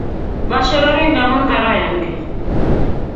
Mashorore ngamun karaayam ki